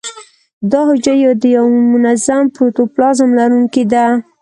دا حجره د یو منظم پروتوپلازم لرونکې ده.